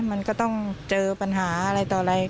มันก็ต้องเจอปัญหาอะไรต่ออะไร